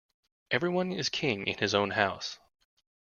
Every one is king in his own house.